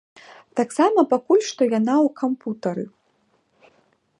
Таксама пакуль што яна ў кампутары.